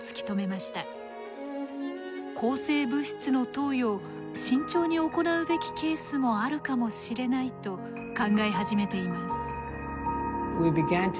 抗生物質の投与を慎重に行うべきケースもあるかもしれないと考え始めています。